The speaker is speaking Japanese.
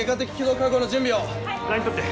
・ラインとって。